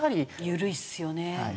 緩いっすよね